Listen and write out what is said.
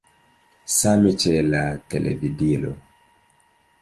Same ĉe la televidilo.